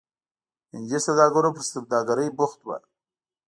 هندي سوداګرو پر سوداګرۍ بوخت وو.